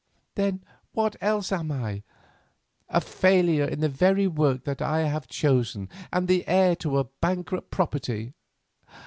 Then, what else am I? A failure in the very work that I have chosen, and the heir to a bankrupt property!